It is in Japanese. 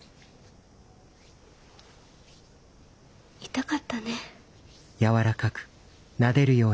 痛かったね。